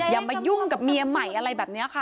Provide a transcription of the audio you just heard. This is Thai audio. อย่ามายุ่งกับเมียใหม่อะไรแบบนี้ค่ะ